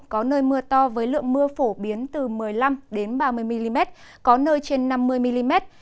có nơi mưa to với lượng mưa phổ biến từ một mươi năm ba mươi mm có nơi trên năm mươi mm